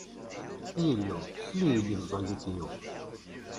Ay Illu! Sel-d i tẓallit-iw.